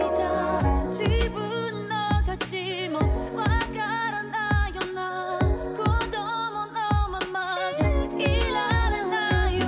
「自分の価値もわからないような」「コドモのままじゃいられないわ」